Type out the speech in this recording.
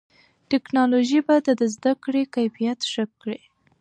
ټیکنالوژي به د زده کړې کیفیت ښه کړي.